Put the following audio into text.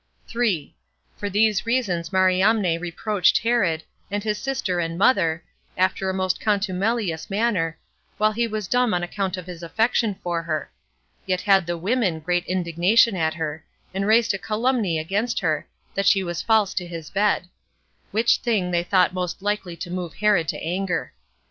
3. For these reasons Mariamne reproached Herod, and his sister and mother, after a most contumelious manner, while he was dumb on account of his affection for her; yet had the women great indignation at her, and raised a calumny against her, that she was false to his bed; which thing they thought most likely to move Herod to anger.